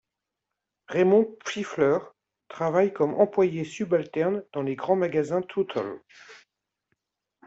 Raymond Phiffier travaille comme employé subalterne dans les grands magasins Tuttle.